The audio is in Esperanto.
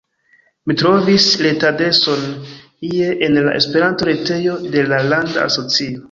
Mi trovis retadreson ie en la Esperanto-retejo de la landa asocio.